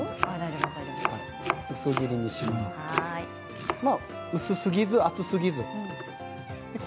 薄すぎず、厚すぎず。